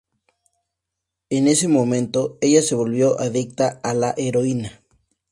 En ese momento, ella se volvió adicta a la heroína.